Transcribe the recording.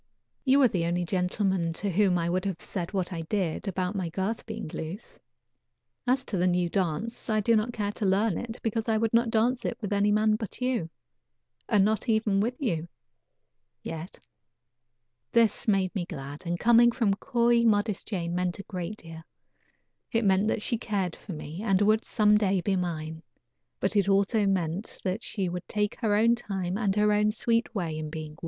You are the only gentleman to whom I would have said what I did about my girth being loose. As to the new dance, I do not care to learn it because I would not dance it with any man but you, and not even with you yet." This made me glad, and coming from coy, modest Jane meant a great deal. It meant that she cared for me, and would, some day, be mine; but it also meant that she would take her own time and her own sweet way in being won.